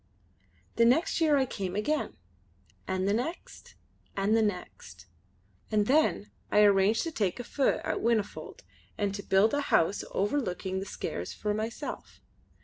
The next year I came again, and the next, and the next. And then I arranged to take a feu at Whinnyfold and to build a house overlooking the Skares for myself.